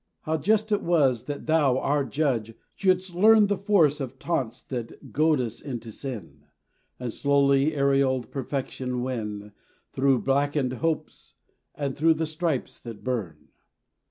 How just it was that Thou our Judge shouldst learn The force of taunts that goad us into sin, And slowly aureoled perfection win Through blackened hopes, and through the stripes that burn.